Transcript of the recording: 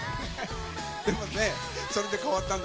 でもね、それで変わったんだ